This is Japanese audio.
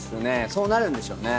そうなるんでしょうね。